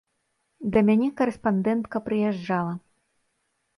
Да мяне карэспандэнтка прыязджала.